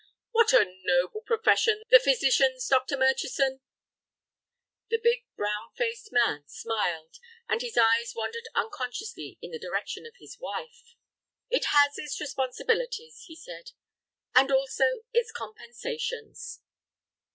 "What a noble profession, the physician's, Dr. Murchison!" The big, brown faced man smiled, and his eyes wandered unconsciously in the direction of his wife. "It has its responsibilities," he said, "and also its compensations."